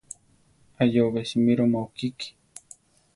Ayóbe simíroma ukiki.